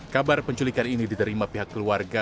kabar penculikan ini diterima pihak keluarga